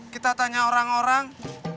kita tanya orang orang